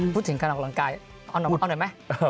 พูดถึงการออกกำลังกายเอาหน่อยไหม